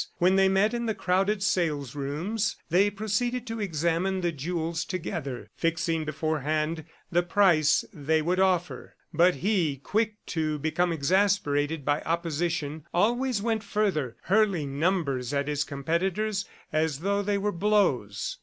When they met in the crowded salesrooms, they proceeded to examine the jewels together, fixing beforehand, the price they would offer. But he, quick to become exasperated by opposition, always went further, hurling numbers at his competitors as though they were blows.